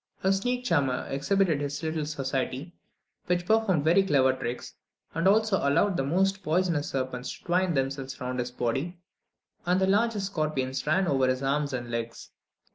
A snake charmer exhibited his little society, which performed very clever tricks, and also allowed the most poisonous serpents to twine themselves round his body, and the largest scorpions ran over his arms and legs.